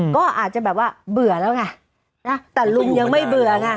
ก็อาจจะแบบว่าเบื่อแล้วไงนะแต่ลุงยังไม่เบื่อไง